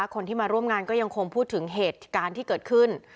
คนที่มาร่วมงานก็ยังคงพูดถึงเหตุการณ์ที่เกิดขึ้น